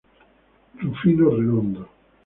Rufino Redondo